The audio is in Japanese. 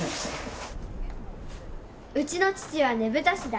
うちの父はねぶた師だ。